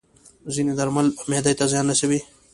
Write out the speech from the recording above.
ځینې درمل معده ته زیان رسوي.